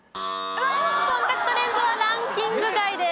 コンタクトレンズはランキング外です。